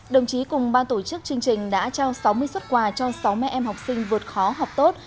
đồng chí cùng ban tổ chức chương trình đã trao sáu mươi xuất quà cho sáu mẹ em học sinh vượt khó học tốt